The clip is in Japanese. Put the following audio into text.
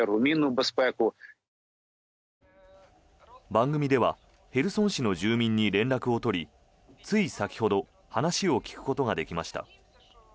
番組ではヘルソン市の住民に連絡を取りつい先ほど話を聞くことができました。